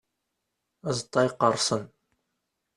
Azeṭṭa yeqqerṣen.